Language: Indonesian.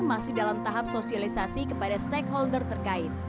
masih dalam tahap sosialisasi kepada stakeholder terkait